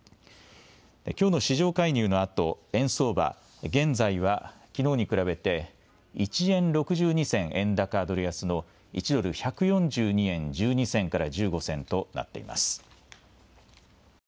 きょうの市場介入のあと円相場、現在はきのうに比べて１円６２銭円高ドル安の１ドル１４２円１２銭から１５銭となっています。